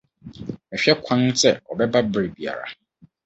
Mehwɛ kwan sɛ ɔbɛba bere biara.